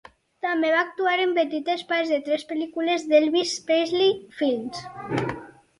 També va actuar en petites parts de tres pel·lícules d'Elvis Presley films.